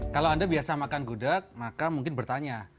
kalau anda biasa makan gudeg maka mungkin bertanya